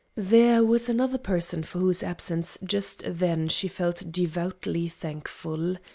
There was another person for whose absence just then she felt devoutly thankful.